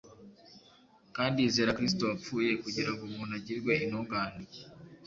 kandi yizera Kristo wapfuye kugira ngo umuntu agirwe intungane.